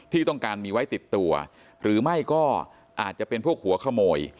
ที่ต้องการมีไว้ติดตัวหรือไม่ก็อาจจะเป็นพวกหัวขโมย